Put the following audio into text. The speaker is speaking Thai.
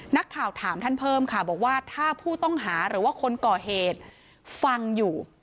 นักข่าวถามท่านเพิ่มค่ะบอกว่าถ้าผู้ต้องหาหรือว่าคนก่อเหตุฟังอยู่